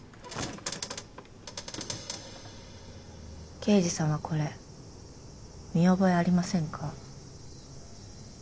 刑事さんはこれ見覚えありませんか？